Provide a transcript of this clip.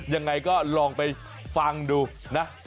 ยังไงก็ลองไปฟังดูนะ